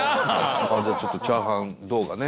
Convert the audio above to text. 「じゃあちょっとチャーハン動画ね」